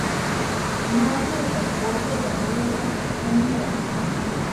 Masiyqa qullqita purinanpaq huñuran.